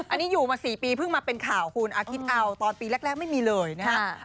อันนี้อยู่มา๔ปีเพิ่งมาเป็นข่าวคุณคิดเอาตอนปีแรกไม่มีเลยนะครับ